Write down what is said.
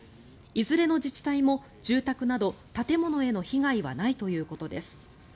いずれの自治体も住宅など建物への被害はないということです。